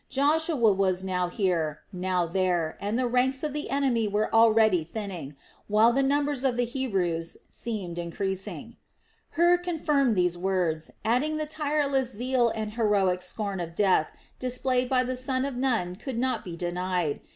Joshua was now here, now there, and the ranks of the enemy were already thinning, while the numbers of the Hebrews seemed increasing. Hur confirmed these words, adding that the tireless zeal and heroic scorn of death displayed by the son of Nun could not be denied.